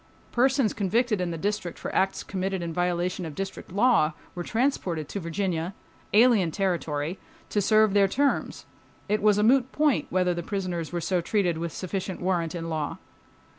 Persons convicted in the District for acts committed in violation of District law were transported to Virginia—alien territory—to serve their terms. It was a moot point whether prisoners were so treated with sufficient warrant in law.